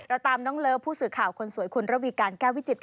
ตามน้องเลิฟผู้สื่อข่าวคนสวยคุณระวีการแก้ววิจิตค่ะ